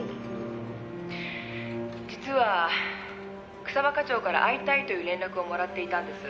「実は草葉課長から会いたいという連絡をもらっていたんです」